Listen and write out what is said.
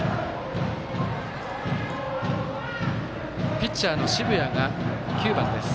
ピッチャーの澁谷が９番。